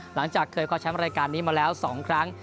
หลังจากเคยคว้าแชมป์รายการนี้มาแล้ว๒ครั้ง